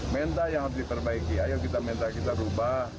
menta yang harus diperbaiki ayo kita menta kita rubah